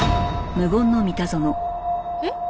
えっ？